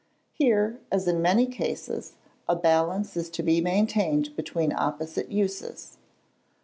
Here, as in many cases, a balance is to be maintained between opposite uses.